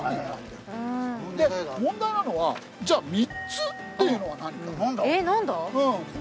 で問題なのはじゃあ３つっていうのは何か？